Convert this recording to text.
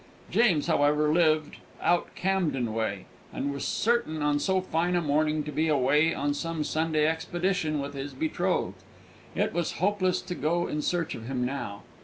James, however, lived "out Camden Town way," and was certain on so fine a morning to be away on some Sunday expedition with his betrothed: it was hopeless to go in search of him now.